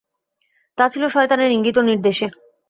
তা ছিল শয়তানের ইংগিত ও নির্দেশে।